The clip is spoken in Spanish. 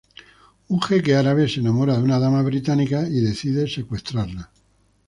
Un jeque árabe se enamora de una dama británica y decide secuestrarla.